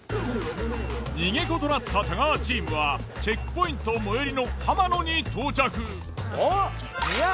逃げ子となった太川チームはチェックポイント最寄りの浜野に到着。